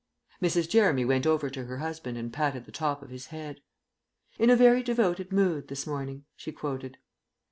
Mrs. Jeremy went over to her husband and patted the top of his head. "'In a very devoted mood this morning,'" she quoted.